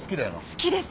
好きです。